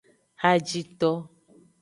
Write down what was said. Hajito.